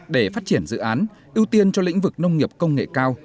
để phát triển dự án ưu tiên cho lĩnh vực nông nghiệp công nghệ cao